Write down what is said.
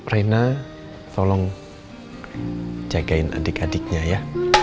rina tolong jagain adik adiknya ya